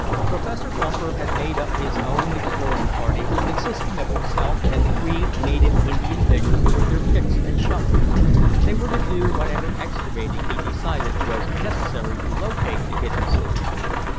Professor Bumper had made up his own exploring party, consisting of himself and three native Indian diggers with their picks and shovels. They were to do whatever excavating he decided was necessary to locate the hidden city.